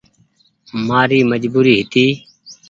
مآري مجبوري هيتي۔